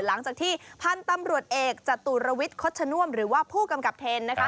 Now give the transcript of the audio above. หลังจากที่พันธุ์ตำรวจเอกจตุรวิทย์คดชน่วมหรือว่าผู้กำกับเทนนะคะ